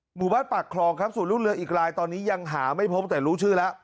หมู่บ้านปากคลองครับส่วนลูกเรืออีกลายตอนนี้ยังหาไม่พบแต่รู้ชื่อแล้ว